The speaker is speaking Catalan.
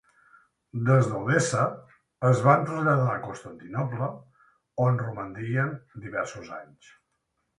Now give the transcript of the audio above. Des d'Odessa, es van traslladar a Constantinoble, on romandrien diversos anys.